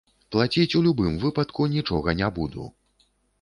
Плаціць у любым выпадку нічога не буду.